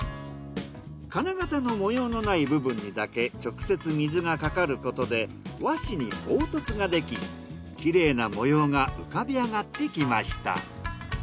金型の模様のない部分にだけ直接水がかかることで和紙に凹凸ができきれいな模様が浮かび上がってきました。